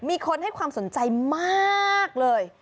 มีคนให้ความสนใจมากเลย